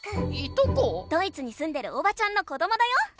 ドイツにすんでるおばちゃんの子どもだよ。